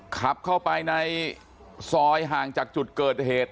ขับเข้าไปในซอยห่างจากจุดเกิดเหตุ